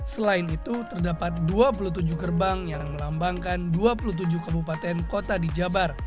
selain itu terdapat dua puluh tujuh gerbang yang melambangkan dua puluh tujuh kabupaten kota di jabar